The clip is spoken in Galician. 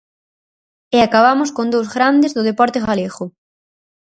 E acabamos con dous grandes do deporte galego.